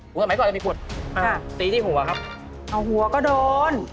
หัวข้าวไหมก่อนจะมีขวดตีที่หัวครับเอาหัวก็โดน